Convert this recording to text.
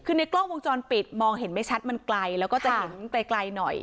คือในกล้องวงจรปิดมองเห็นไม่ชัดมันไกลแล้วก็จะเห็นไกลหน่อย